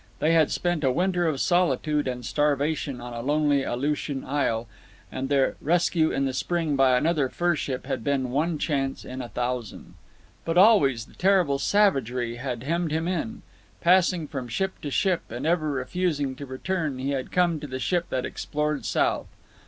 They had spent a winter of solitude and starvation on a lonely Aleutian isle, and their rescue in the spring by another fur ship had been one chance in a thousand. But always the terrible savagery had hemmed him in. Passing from ship to ship, and ever refusing to return, he had come to the ship that explored south.